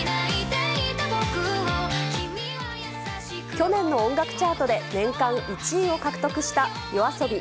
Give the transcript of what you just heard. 去年の音楽チャートで年間１位を獲得したＹＯＡＳＯＢＩ